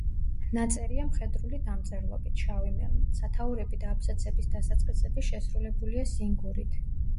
ნაწერია მხედრული დამწერლობით, შავი მელნით; სათაურები და აბზაცების დასაწყისები შესრულებულია სინგურით.